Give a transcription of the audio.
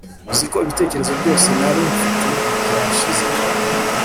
uziko ibitekerezo byose nari mfite byashize